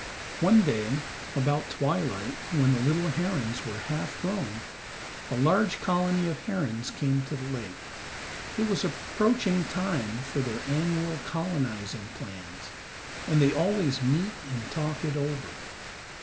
One day about twilight, when the little herons were half grown, a large colony of herons came to the lake. It was approaching time for their annual colonizing plans, and they always meet and talk it over.